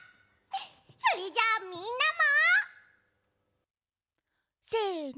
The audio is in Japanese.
それじゃみんなも！せの！